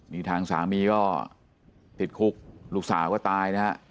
นี่ทางสามีก็ติดคุกลูกสาวก็ตายนะฮะ